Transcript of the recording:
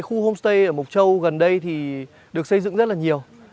thì những khu homestay ở mộc châu gần đây thì được xây dựng rất là nhiều